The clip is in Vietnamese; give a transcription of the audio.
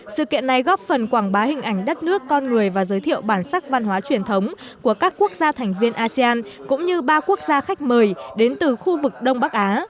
sự kiện này góp phần quảng bá hình ảnh đất nước con người và giới thiệu bản sắc văn hóa truyền thống của các quốc gia thành viên asean cũng như ba quốc gia khách mời đến từ khu vực đông bắc á